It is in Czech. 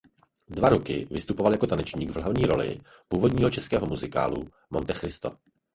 Dva roky vystupoval jako tanečník v hlavní roli původního českého muzikálu "Monte Cristo".